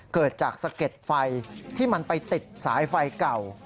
เกิดจากสะเก็ดไฟที่มันไปติดสายไฟเก่า